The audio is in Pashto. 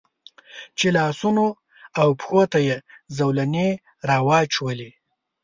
چې لاسونو او پښو ته یې زولنې را واچولې.